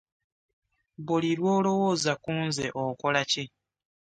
Buli lw'olowooza ku nze okola ki?